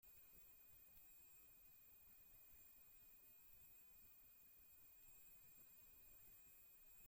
Ofrecidos en formatos tanto católicos como no católicos.